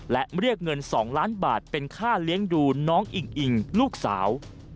และเรียกเงิน๒ล้านบาทเป็นค่าเลี้ยงดูน้องอิงอิงลูกสาว